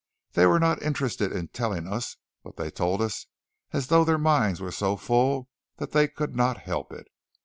They were not interested in telling us, but they told, as though their minds were so full that they could not help it.